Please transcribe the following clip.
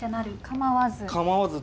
構わず。